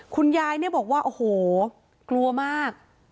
คุณยายเนี่ยบอกว่าโอ้โหกลัวมาก